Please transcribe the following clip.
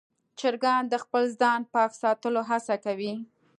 چرګان د خپل ځان پاک ساتلو هڅه کوي.